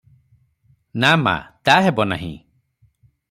ନା ମା, ତା ହେବ ନାହିଁ ।